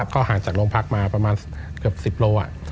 ก็ห่างจากโรงพักมาประมาณเกือบ๑๐โล